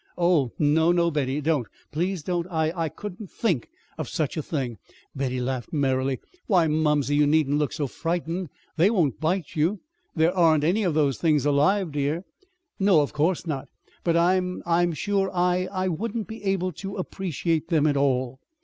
"Oh, no, no, Betty, don't please don't! I I couldn't think of such a thing!" Betty laughed merrily. "Why, mumsey, you needn't look so frightened. They won't bite you. There aren't any of those things alive, dear!" "No, of course not. But I'm I'm sure I I wouldn't be able to appreciate them at all."